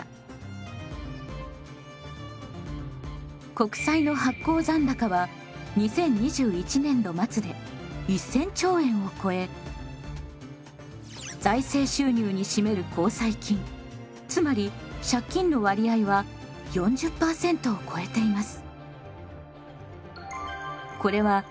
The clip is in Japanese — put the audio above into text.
国債の発行残高は２０２１年度末で１，０００兆円を超え財政収入に占める公債金つまり借金の割合は４０％を超えています。